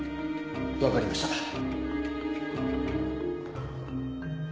わかりました。